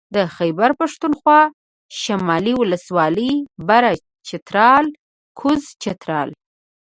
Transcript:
د خېبر پښتونخوا شمالي ولسوالۍ بره چترال کوزه چترال